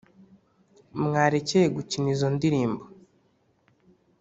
Mwarekeye gukina izo ndirimbo